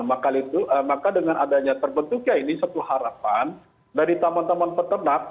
maka itu maka dengan adanya terbentuknya ini satu harapan dari teman teman peternak